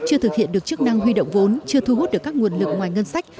chưa thực hiện được chức năng huy động vốn chưa thu hút được các nguồn lực ngoài ngân sách